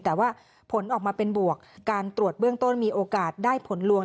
แต่ว่าผลออกมาเป็นบวกการตรวจเบื้องต้นมีโอกาสได้ผลลวง